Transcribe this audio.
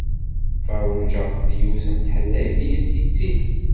Ferruǧa d yiwet n teḥdayt i as-yettilin.